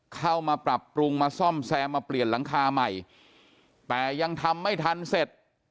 เข้ามาปรับปรุงมาซ่อมแซมมาเปลี่ยนหลังคาใหม่แต่ยังทำไม่ทันเสร็จ